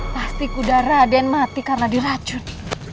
pasti kuda raden mati karena diracun